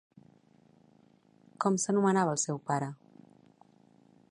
Com s'anomenava el seu pare?